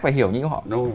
phải hiểu như họ